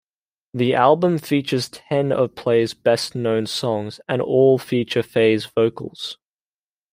The album features ten of Play's best-known songs, and all feature Faye's vocals.